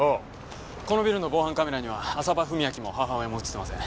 このビルの防犯カメラには浅羽史明も母親も映ってません。